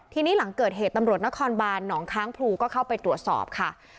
ทีนี้หลังเกิดเหตุตำรวจนครบานหนองค้างพลูก็เข้าไปตรวจสอบค่ะ